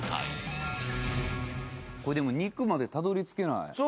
これでも肉までたどりつけない。